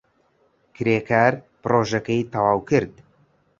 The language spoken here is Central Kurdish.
کرێکار پرۆژەکەی تەواو کرد.